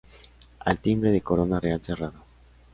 Al timbre de corona real cerrada.